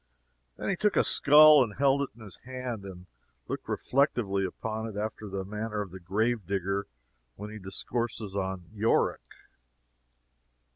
Then he took a skull and held it in his hand, and looked reflectively upon it, after the manner of the grave digger when he discourses of Yorick.